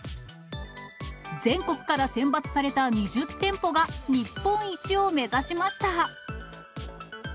全国から選抜された２０店舗が日本一を目指しました。